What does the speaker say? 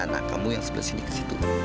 nah kamu yang sebelah sini kak